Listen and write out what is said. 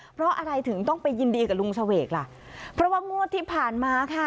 เพราะอะไรถึงต้องไปยินดีกับลุงเสวกล่ะเพราะว่างวดที่ผ่านมาค่ะ